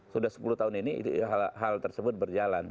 sudah sepuluh tahun ini hal tersebut berjalan